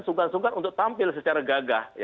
sungguh sungguh tampil secara gagah